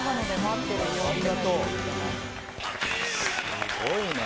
すごいね。